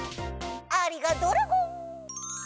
ありがドラゴン！